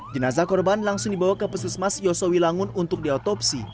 jenazah korban langsung dibawa ke puskesmas yosowi langun untuk diotopsi